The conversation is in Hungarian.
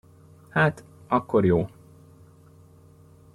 Hát, akkor jó.